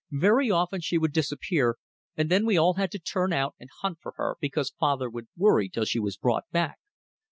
Very often she would disappear and then we all had to turn out and hunt for her, because father would worry till she was brought back.